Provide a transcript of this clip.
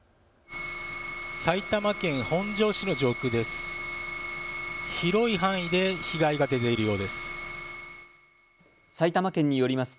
埼玉県本庄市の上空です。